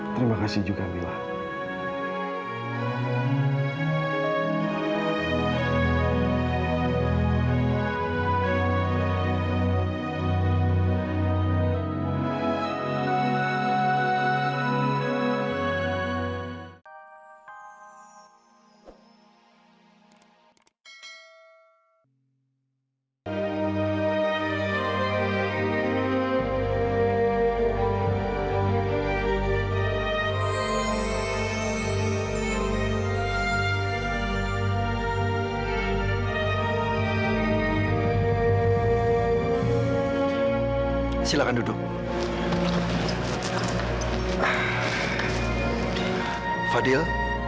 terima kasih kak fadil